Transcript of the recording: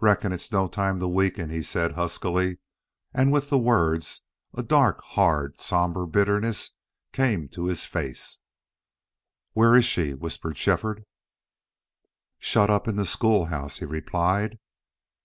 "Reckon it's no time to weaken," he said, huskily, and with the words a dark, hard, somber bitterness came to his face. "Where is she?" whispered Shefford. "Shut up in the school house," he replied.